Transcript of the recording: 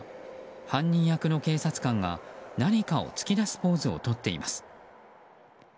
犯人役の警察官が何かを突き出すポーズをとっています。